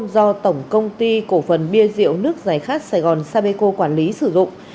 do tổng công ty cổ phần bia rượu nước giải khát sài gòn sapeco quản lý sử dụng